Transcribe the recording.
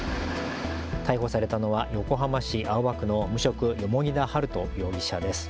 逮捕されたのは横浜市青葉区の無職、蓬田治都容疑者です。